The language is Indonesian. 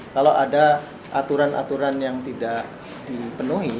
kalau ada aturan aturan yang tidak dipenuhi